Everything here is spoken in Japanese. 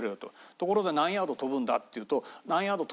「ところで何ヤード飛ぶんだ？」っていうと「何ヤード飛びます」。